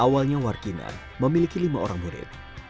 awalnya warkina memiliki lima orang murid